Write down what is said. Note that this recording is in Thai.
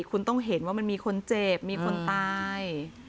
คุณต้องเห็นว่ามันมีคนเจ็บมีคนตาย